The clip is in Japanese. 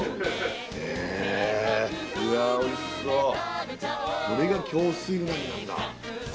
へえうわおいしそうこれが共水うなぎなんだ